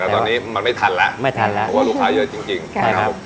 แต่ตอนนี้มันไม่ทันแล้วไม่ทันแล้วเพราะว่าลูกค้าเยอะจริงนะครับผม